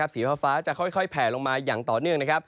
สีฟ้าจะค่อยแผลลงมาอย่างต่อเนื่อง